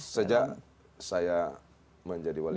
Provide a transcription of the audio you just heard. sejak saya menjadi wali kota